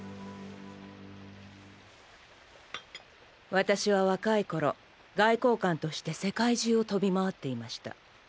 私は若い頃外交官として世界中を飛び回っていました。